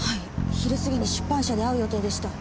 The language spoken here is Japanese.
昼過ぎに出版社で会う予定でした。